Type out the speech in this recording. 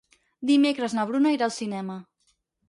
Dimecres na Bruna irà al cinema.